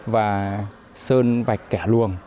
và sơn vạch kẻ luồng